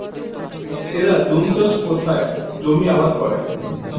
এরা জুমচাষ প্রথায় জমি আবাদ করে।